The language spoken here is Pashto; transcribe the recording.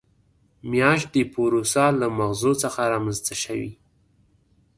میاشت د پوروسا له مغزو څخه رامنځته شوې.